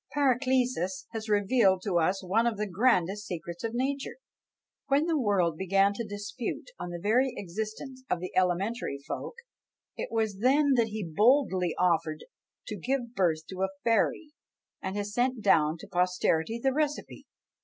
Paracelsus has revealed to us one of the grandest secrets of nature. When the world began to dispute on the very existence of the elementary folk, it was then that he boldly offered to give birth to a fairy, and has sent down to posterity the recipe.